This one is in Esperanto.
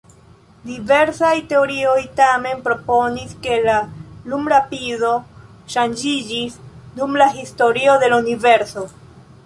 Diversaj teorioj tamen proponis, ke la lumrapido ŝanĝiĝis dum la historio de la universo.